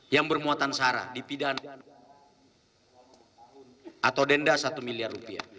yang bermuatan searah di pidana atau denda satu miliar rupiah